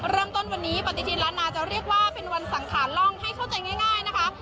เริ่มต้นวันนี้ปฏิทินล้านนาจะเรียกว่าเป็นวันสังขารล่องให้เข้าใจง่ายนะคะ